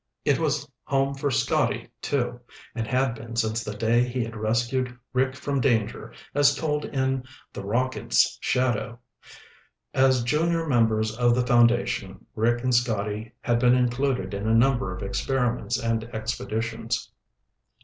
It was home for Scotty, too, and had been since the day he had rescued Rick from danger, as told in The Rocket's Shadow. As junior members of the foundation, Rick and Scotty had been included in a number of experiments and expeditions.